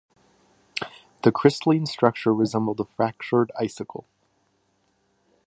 The crystalline structure resembled a fractured icicle.